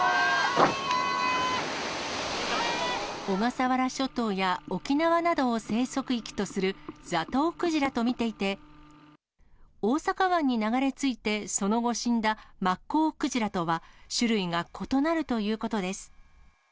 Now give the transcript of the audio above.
小笠原諸島や沖縄などを生息域とするザトウクジラと見ていて、大阪湾に流れ着いて、その後死んだマッコウクジラとは種類が異なるということです。